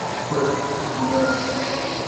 ঘটনা গৃহযুদ্ধের দিকে মোড় নেয়ার আশঙ্কা করছিলেন তিনি।